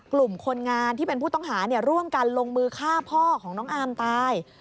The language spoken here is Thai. กลุ่มคนงานที่เป็นผู้ต้องหาร่วมกันลงมือฆ่าพ่อของน้องอามตาย